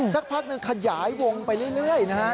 สักพักหนึ่งขยายวงไปเรื่อยนะฮะ